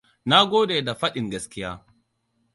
Na gode da faɗin gaskiya.